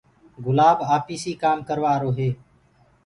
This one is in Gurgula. گُلآب آپيسي ڪآم ڪروآ آرو هوسي